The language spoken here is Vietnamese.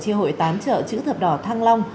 chi hội tám trợ chữ thập đỏ thăng long